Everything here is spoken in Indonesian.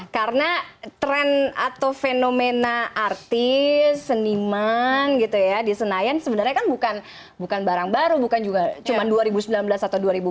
karena tren atau fenomena artis seniman di senayan sebenarnya bukan barang baru bukan juga cuma dua ribu sembilan belas atau dua ribu empat belas